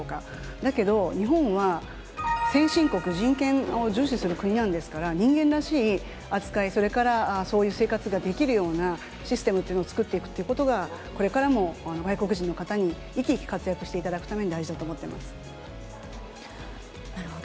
だけど、日本は先進国、人権を重視する国なんですから、人間らしい扱い、それから、そういう生活ができるようなシステムっていうのを作っていくということが、これからも外国人の方に生き生き活躍していただくために、大事だなるほど。